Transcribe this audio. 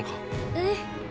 うん。